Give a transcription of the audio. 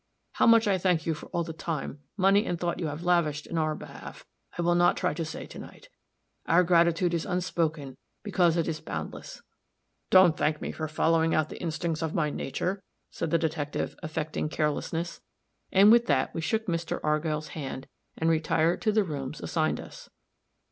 How much I thank you for all the time, money and thought you have lavished in our behalf, I will not try to say to night. Our gratitude is unspoken because it is boundless." "Don't thank me for following out the instincts of my nature," said the detective, affecting carelessness; and with that we shook Mr. Argyll's hand, and retired to the rooms assigned us.